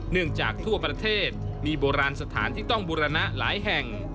จากทั่วประเทศมีโบราณสถานที่ต้องบูรณะหลายแห่ง